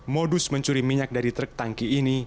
modus mencuri minyak dari truk tangki ini